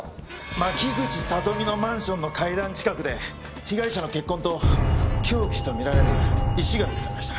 牧口里美のマンションの階段近くで被害者の血痕と凶器とみられる石が見つかりました。